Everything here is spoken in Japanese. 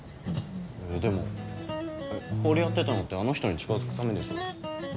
えっでもえっホールやってたのってあの人に近づくためでしょ？